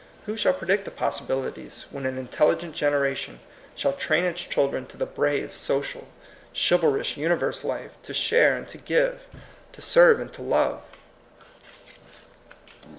Who shall predict the possibilities when an intelligent generation shall train its chil dren to the brave, social, chivalrous uni verse life, to share and to give, to serve and to love?